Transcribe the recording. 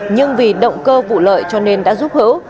nhưng vì động cơ vụ lợi cho nên đã giúp hữu